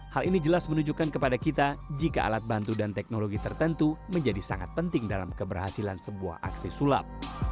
hal ini jelas menunjukkan kepada kita jika alat bantu dan teknologi tertentu menjadi sangat penting dalam keberhasilan sebuah aksi sulap